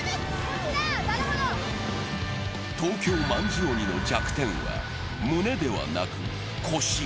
東京卍鬼の弱点は、胸ではなく、腰。